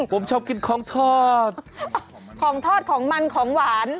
ผมชอบกินของทอดของทอดของมันของหวาน